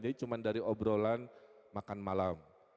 jadi cuma dari obrolan makan malam